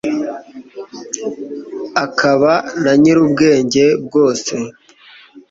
akaba na nyirubwenge bwose